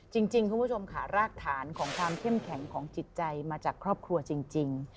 จริงคุณผู้ชมค่ะรากฐานของความเข้มแข็งของจิตใจมาจากครอบครัวจริง